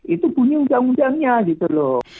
itu bunyi undang undangnya gitu loh